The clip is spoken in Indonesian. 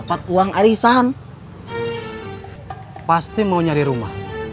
itu yang mama alami dulu cu